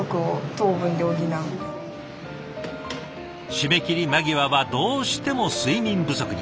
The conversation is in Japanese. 締め切り間際はどうしても睡眠不足に。